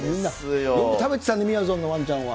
よく食べてたよね、みやぞんのワンちゃんは。